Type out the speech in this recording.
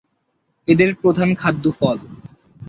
এদের প্রধান খাদ্য ফল।